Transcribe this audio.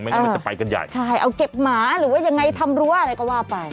งั้นมันจะไปกันใหญ่ใช่เอาเก็บหมาหรือว่ายังไงทำรั้วอะไรก็ว่าไป